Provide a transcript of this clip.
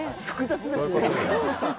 複雑ですね。